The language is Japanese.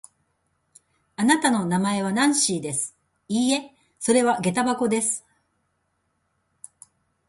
あなたの名前はナンシーです。いいえ、それはげた箱です。